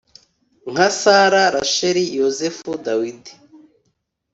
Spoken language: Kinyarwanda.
Nka sara rasheli yozefu dawidi